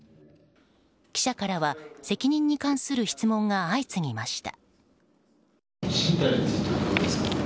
記者からは責任に関する質問が相次ぎました。